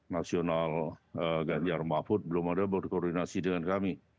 nasional eee ganjar mbah put belum ada berkoordinasi dengan kami